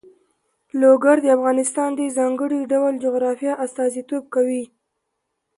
لوگر د افغانستان د ځانګړي ډول جغرافیه استازیتوب کوي.